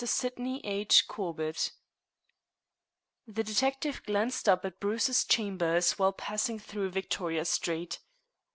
SYDNEY H. CORBETT The detective glanced up at Bruce's chambers while passing through Victoria Street.